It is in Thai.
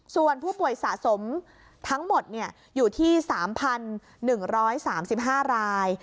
ส่วนผู้ป่วยสะสมทั้งหมดอยู่ที่๓๑๓๕ราย